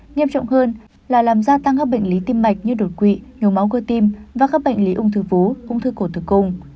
nghiêm trọng hơn là làm gia tăng các bệnh lý tim mạch như đột quỵ nhồi máu cơ tim và các bệnh lý ung thư vú ung thư cổ tử cung